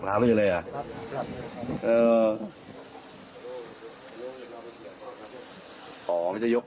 เขาหลับ